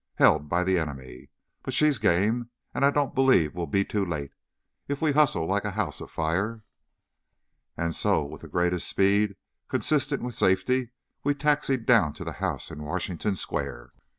Held by the enemy! But she's game, and I don't believe we'll be too late, if we hustle like a house afire!" And so, with the greatest speed consistent with safety, we taxied down to the house in Washington Square.